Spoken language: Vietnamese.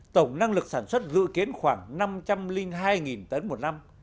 tổng năng lực sản xuất dự kiến khoảng năm trăm linh hai tấn một năm